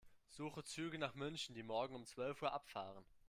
Suche Züge nach München, die morgen um zwölf Uhr abfahren.